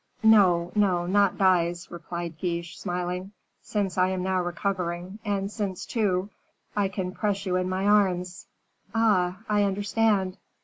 "No, no, not dies," replied Guiche, smiling, "since I am now recovering, and since, too, I can press you in my arms." "Ah! I understand."